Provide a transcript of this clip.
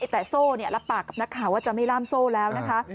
แต่โซ่รับปากกับนักข่าวว่าจะไม่ล่ามโซ่แล้วนะคะ